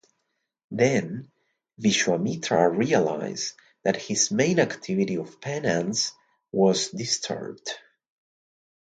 Then, Vishwamitra realized that his main activity of penance was disturbed.